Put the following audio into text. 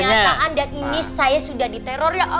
pernyataan dan ini saya sudah diteror ya